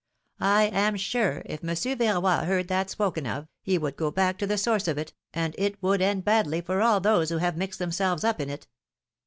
I am sure, if Mon sieur Verroy heard that spoken of, he would go back to the source of it, and it would end badly for all those who have mixed themselves up in it